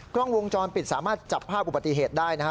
กล้องวงจรปิดสามารถจับภาพอุบัติเหตุได้นะครับ